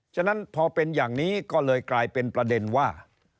ฉะนั้นพอเป็นอย่างนี้ก็เลยกลายเป็นประเด็นว่า